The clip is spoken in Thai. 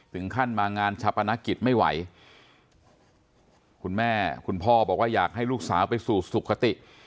ถึงขั้นมางานชาปนกิจไม่ไหวคุณแม่คุณพ่อบอกว่าอยากให้ลูกสาวไปสู่สุขติ